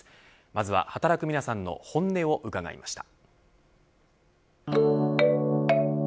まずは働く皆さんの本音を伺いました。